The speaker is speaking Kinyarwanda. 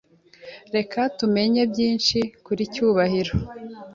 Reka tumenye byinshi kuri Cyubahiro.